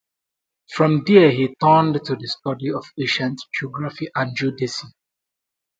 From there he turned to the study of ancient geography and geodesy.